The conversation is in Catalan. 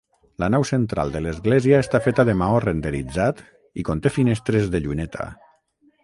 La nau central de l'església està feta de maó renderitzat i conté finestres de lluneta.